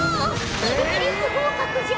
ギリギリ不合格じゃ。